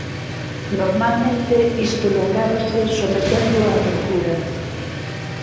Normalmente isto lográbase someténdoa a tortura.